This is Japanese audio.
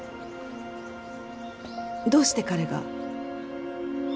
どうして彼が？